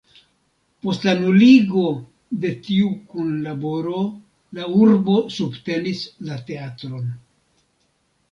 Post la nuligo de tiu kunlaboro la urbo subtenis la teatron.